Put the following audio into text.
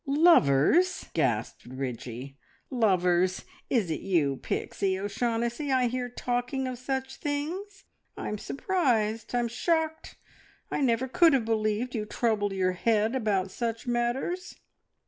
"L lovers!" gasped Bridgie. "Lovers! Is it you, Pixie O'Shaughnessy, I hear talking of such things? I'm surprised; I'm shocked! I never could have believed you troubled your head about such matters."